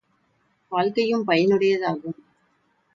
வாழ்க்கையும் பயனுடைய தாகும்.